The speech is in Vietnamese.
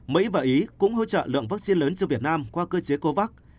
mỹ và ý cũng hỗ trợ lượng vaccine lớn cho việt nam qua cơ chế covax